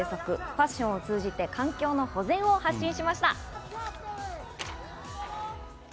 ファッションを通じて環境の保全を発信しました。